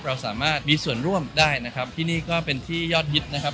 เราสามารถมีส่วนร่วมได้นะครับที่นี่ก็เป็นที่ยอดฮิตนะครับ